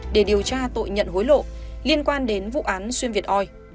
để điều tra tội nhận hối lộ liên quan đến vụ án xuyên việt oi